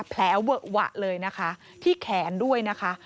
แผลเวอะหวะเลยนะคะที่แขนด้วยนะคะ